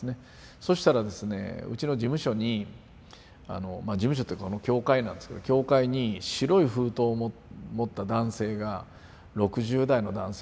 そしたらですねうちの事務所に事務所というか教会なんですけど教会に白い封筒を持った男性が６０代の男性